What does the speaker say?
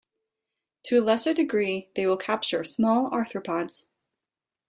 To a lesser degree, they will capture small arthropods.